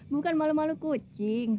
bukan malu malu kucing